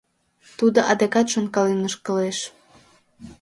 Тудо адакат шонкален ошкылеш.